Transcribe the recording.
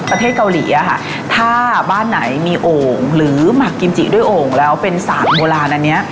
ประเทศเกาหลีอะค่ะถ้าบ้านไหนมีโอ่งหรือหมักกิมจิด้วยโอ่งแล้วเป็นศาสตร์โบราณอันเนี้ย